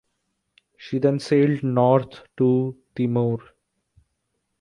She then sailed north to Timor.